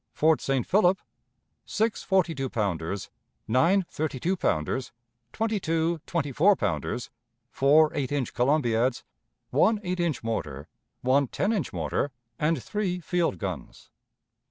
Fort St. Philip: six forty two ponders, nine thirty two pounders, twenty two twenty four pounders, four eight inch columbiads, one eight inch mortar, one ten inch mortar, and three field guns.